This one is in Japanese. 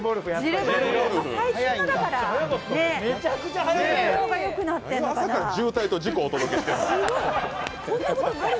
まさか渋滞と事故お届けって。